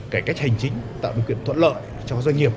cải cách hành chính tạo điều kiện thuận lợi cho doanh nghiệp